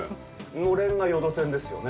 のれんが予土線ですよね？